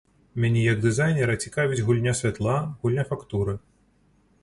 Мяне, як дызайнера, цікавіць гульня святла, гульня фактуры.